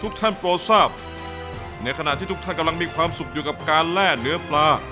ทุกท่านโปรทราบในขณะที่ทุกท่านกำลังมีความสุขอยู่กับการแร่เนื้อปลา